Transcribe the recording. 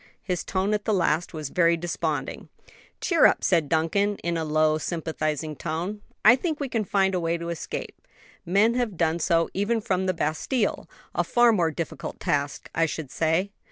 His tone at the last was very desponding. "Cheer up," said Duncan, in a low, sympathizing tone, "I think we can find a way to escape; men have done so even from the Bastile a far more difficult task, I should say."